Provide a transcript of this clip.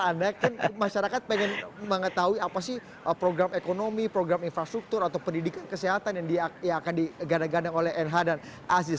anda kan masyarakat pengen mengetahui apa sih program ekonomi program infrastruktur atau pendidikan kesehatan yang akan digadang gadang oleh nh dan aziz